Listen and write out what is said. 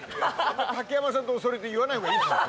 竹山さんとお揃いって言わない方がいいっすよ。